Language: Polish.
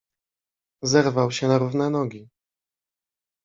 Zerwał się na równe nogi.